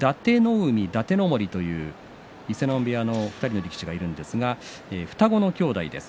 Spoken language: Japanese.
海と達ノ森伊勢ノ海部屋の２人の力士がいるんですが双子の兄弟です。